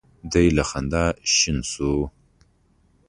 دی له خندا شین شو.